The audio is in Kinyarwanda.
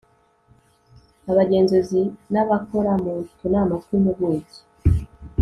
abagenzuzi n'abakora mu tunama tw'impuguke